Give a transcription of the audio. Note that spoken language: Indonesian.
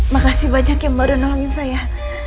makasih banyak ya mbak yang udah nolongin saya